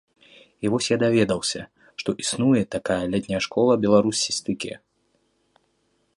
І вось я даведаўся, што існуе такая летняя школа беларусістыкі.